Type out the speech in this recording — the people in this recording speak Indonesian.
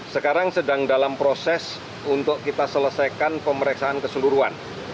sekarang sedang dalam proses untuk kita selesaikan pemeriksaan keseluruhan